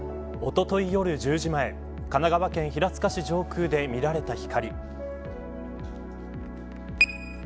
続いてはおととい夜１０時前神奈川県平塚市上空で見られた光。